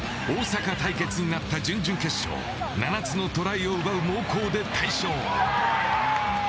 大阪対決になった準々決勝７つのトライを奪う猛攻で大勝。